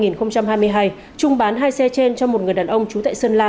năm hai nghìn hai mươi hai trung bán hai xe trên cho một người đàn ông trú tại sơn la